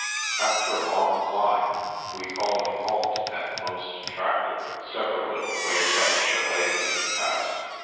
After a long climb, we called a halt at the most attractive of several little wayside chalets we had passed.